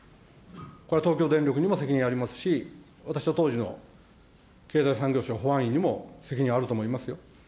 これは東京電力にも責任がありますし、私は当時の経済産業省保安院にも責任はあると思いますよ。